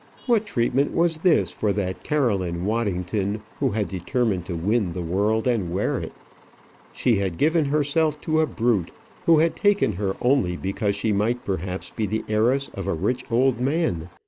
what treatment was this for that Caroline Waddington, who had determined to win the world and wear it! She had given herself to a brute, who had taken her only because she might perhaps be the heiress of a rich old man.